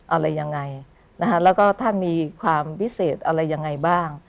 อะไรยังไงนะคะแล้วก็ท่านมีความพิเศษอะไรยังไงบ้าง